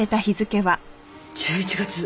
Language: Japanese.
１１月。